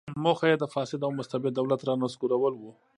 موخه یې د فاسد او مستبد دولت رانسکورول و.